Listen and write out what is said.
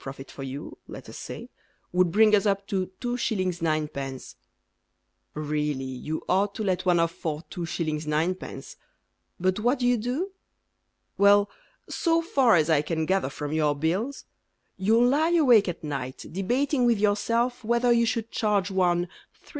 profit for you, let us say, Would bring us up to 2s. 9d. Really you ought to let one off for 2s. 9d., But what do you do? Well, So far as I can gather from your bills, You lie awake at night Debating with yourself Whether you should charge one 3s.